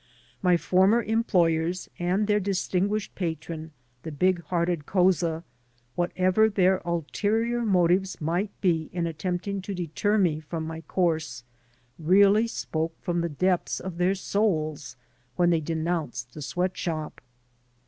My former employers and their dis tinguished patron, the big hearted Couza, whatever their ulterior motives might be in attempting to deter me from my course, really spoke from the depths of their souls when they denoimced the sweat shop.